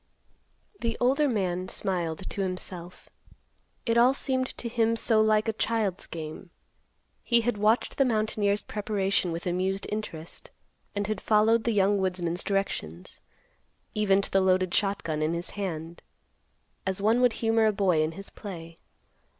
The older man smiled to himself. It all seemed to him so like a child's game. He had watched the mountaineer's preparation with amused interest, and had followed the young woodsman's directions, even to the loaded shotgun in his hand, as one would humor a boy in his play.